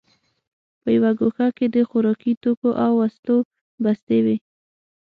په یوه ګوښه کې د خوراکي توکو او وسلو بستې وې